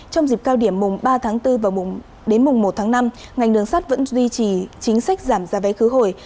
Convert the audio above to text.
trong dịp cao điểm mùng ba tháng bốn và đến mùng một tháng năm ngành đường sắt vẫn duy trì chính sách giảm giá vé khứ hồi